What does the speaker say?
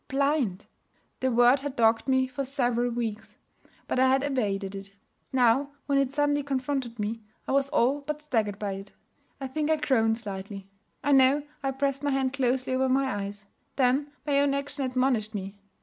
Blind! The word had dogged me for several weeks, but I had evaded it. Now, when it suddenly confronted me, I was all but staggered by it. I think I groaned slightly; I know I pressed my hand closely over my eyes. Then my own action admonished me.